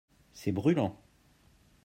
C'est brulant.